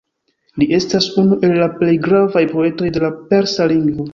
Li estas unu el la plej gravaj poetoj de la persa lingvo.